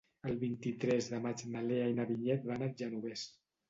El vint-i-tres de maig na Lea i na Vinyet van al Genovés.